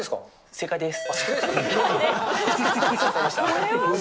正解です。